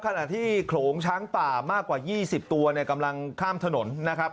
ขณะที่โขลงช้างป่ามากกว่า๒๐ตัวเนี่ยกำลังข้ามถนนนะครับ